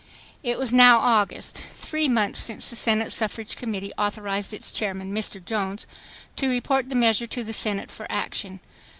It was now August, three months since the Senate Suffrage Committee authorized its chairman, Mr. Jones, to report the measure to the Senate for action.